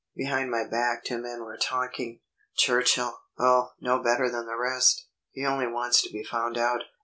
Behind my back two men were talking. "Churchill ... oh, no better than the rest. He only wants to be found out.